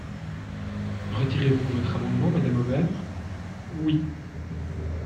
Retirez-vous votre amendement, madame Hobert ? Oui.